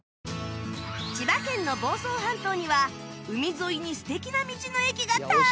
千葉県の房総半島には海沿いに素敵な道の駅がたくさん！